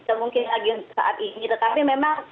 tidak mungkin lagi saat ini tetapi memang